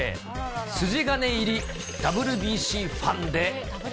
筋金入りＷＢＣファンで。